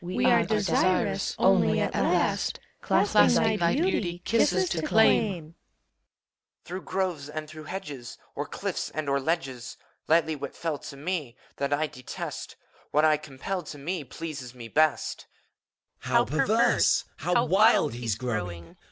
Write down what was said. We are desirous Only, at last, Clasping thy beauty. Kisses to claim! EUPHORION. Through groves and through hedges I O'er cliffs and o'er ledges ! Lightly what fell to me, That i detest: What I compel to me Pleases me best. 178 FAV8T. HELElTA AND FAUST. How perverse, how wild he's growing!